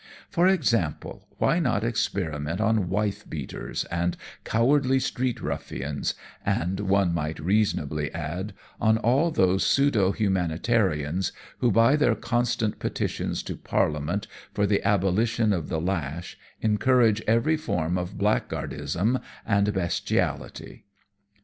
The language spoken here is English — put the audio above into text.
"For example, why not experiment on wife beaters and cowardly street ruffians, and, one might reasonably add, on all those pseudo humanitarians who, by their constant petitions to Parliament for the abolition of the lash, encourage every form of blackguardism and bestiality?"